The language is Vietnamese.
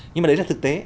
nhưng mà đấy là thực tế